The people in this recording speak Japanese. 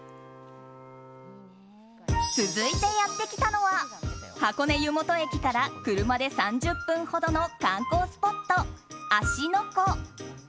続いてやってきたのは箱根湯本駅から車で３０分ほどの観光スポット芦ノ湖。